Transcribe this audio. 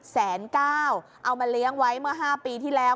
แสนเก้าเอามาเลี้ยงไว้เมื่อ๕ปีที่แล้ว